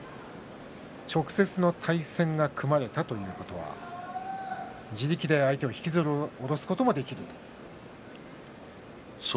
直接の対戦が組まれたということは自力で相手を引きずり下ろすことができる。